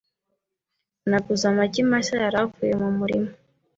Naguze amagi mashya yari avuye mu murima.